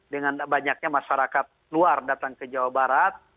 dengan banyaknya masyarakat luar datang ke jawa barat